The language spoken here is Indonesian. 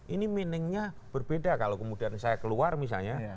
ini meaningnya berbeda kalau kemudian saya keluar misalnya